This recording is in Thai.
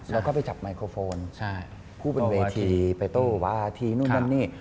เราก็ไปจับไมโครโฟนผู้เป็นเวทีไปเต้าหัววาธีนู่นนั่นนี่